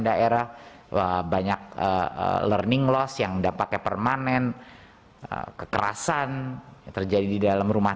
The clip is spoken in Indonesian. daerah banyak learning loss yang dampaknya permanen kekerasan terjadi di dalam rumah